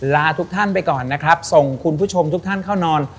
ลาทุกท่านไปก่อนนะครับส่งคุณผู้ชมทุกท่านเข้านอน